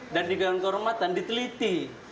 dan di dewan kehormatan diteliti